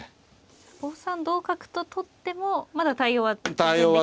５三同角と取ってもまだ対応は十分できるんですね。